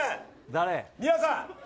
皆さん。